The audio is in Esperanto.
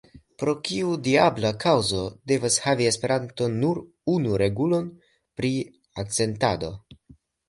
Pro kiu diabla kaŭzo devas havi Esperanto nur unu regulon pri akcentado?